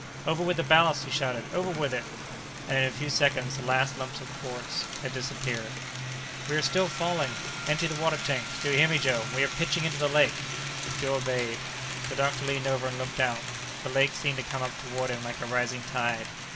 "Over with the ballast!" he shouted, "over with it!" And in a few seconds the last lumps of quartz had disappeared. "We are still falling! Empty the water tanks! Do you hear me, Joe? We are pitching into the lake!" Joe obeyed. The doctor leaned over and looked out. The lake seemed to come up toward him like a rising tide.